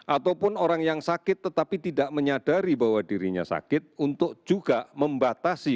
ataupun orang yang sakit tetapi tidak menyadari bahwa dirinya sakit untuk juga membatasi